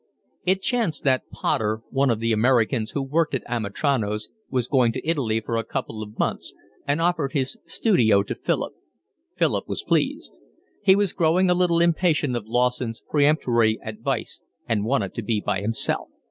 It chanced that Potter, one of the Americans who worked at Amitrano's, was going to Italy for a couple of months, and offered his studio to Philip. Philip was pleased. He was growing a little impatient of Lawson's peremptory advice and wanted to be by himself.